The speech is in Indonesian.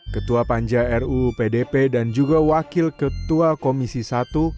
ketua panja ru pdp dan juga wakil ketua komisi satu